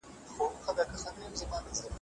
د سياسي مبارزو موخه واک ته رسېدل دي.